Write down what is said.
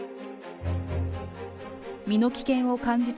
身の危険を感じた